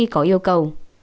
có yêu cầu